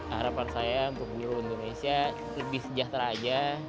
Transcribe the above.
harapan saya untuk guru indonesia lebih sejahtera aja